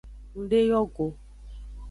Ndeyo go.